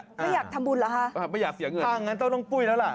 ไม่อยากทำบุญเหรอฮะไม่อยากเสียเงินถ้างั้นต้องน้องปุ้ยแล้วล่ะ